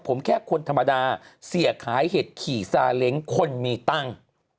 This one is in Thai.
ผมแค่คนธรรมดาเสียขายเห็ดขี่ซาเล้งคนมีตังค์